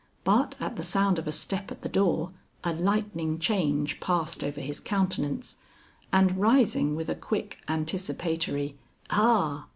But at the sound of a step at the door, a lightning change passed over his countenance, and rising with a quick anticipatory "Ah!"